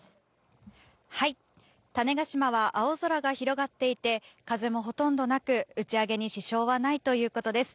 種子島は青空が広がっていて、風もほとんどなく、打ち上げに支障はないということです。